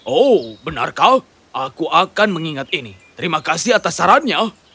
oh benarkah aku akan mengingat ini terima kasih atas sarannya